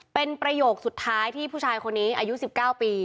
เป็นประโยคสุดท้ายที่ผู้ชายคนนี้อายุ๑๙ปี